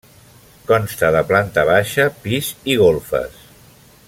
Consta de planta baixa, pis i golfes.